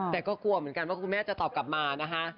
แต่ก็กลัวเหมือนกันว่าคุณแม่จะตอบกลับมานะคะ